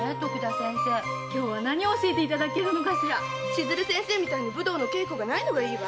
千鶴先生みたいに武道の稽古がないのがいいわ。